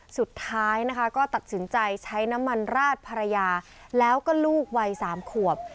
สุดท้ายนะคะก็ตัดสินใจใช้น้ำมันราดภรรยาแล้วก็ลูกวัย๓ขวบ